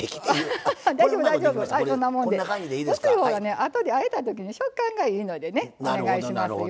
あとであえたときに食感がいいのでねお願いしますよ。